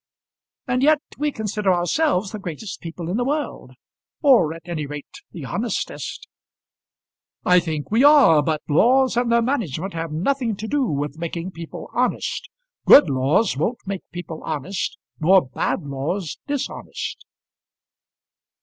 "And yet we consider ourselves the greatest people in the world, or at any rate the honestest." "I think we are; but laws and their management have nothing to do with making people honest. Good laws won't make people honest, nor bad laws dishonest."